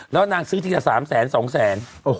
แล้วนางซื้อที่ละ๓๐๐บาท๒๐๐บาท